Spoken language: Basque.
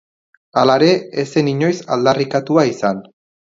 Hala ere, ez zen inoiz aldarrikatua izan.